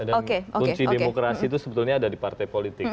dan kunci demokrasi itu sebetulnya ada di partai politik